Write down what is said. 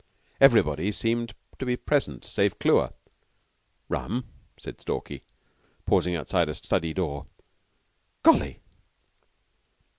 Everybody seemed to be present save Clewer. "Rum!" said Stalky, pausing outside a study door. "Golly!"